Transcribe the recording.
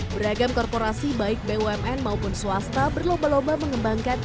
beragam korporasi baik bumn maupun swasta berlomba lomba mengembangkan